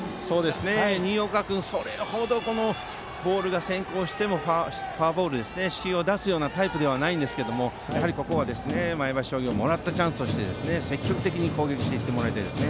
新岡君それほどボールが先行してもフォアボールを出すようなタイプではないんですがここは前橋商業ももらったチャンスを生かして積極的に攻撃していってほしいです。